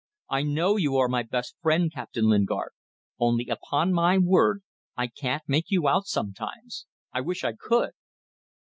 I know you are my best friend, Captain Lingard; only, upon my word, I can't make you out sometimes! I wish I could